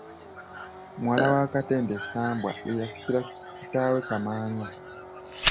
Muwala wa Katenda Ssambwa, ye yasikira kitaawe Kamaanya.